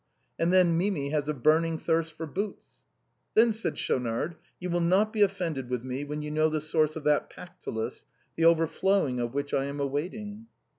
And then Mimi has a burning thirst for boots." "Then/' said Schaunard, "you will not be offended with me when you know the source of that Pactolus, the overflowing of which I am awaiting."